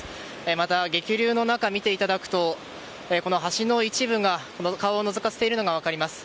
また激流の中を見ていただくとこの橋の一部が顔をのぞかせているのが分かります。